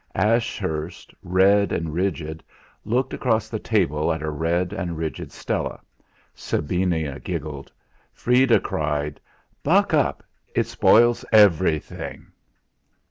Ashurst, red and rigid, looked across the table at a red and rigid Stella. Sabina giggled; Freda cried: "Buck up it spoils everything!"